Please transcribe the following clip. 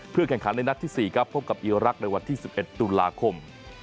แข่งขันในนัดที่๔ครับพบกับอีรักษ์ในวันที่๑๑ตุลาคม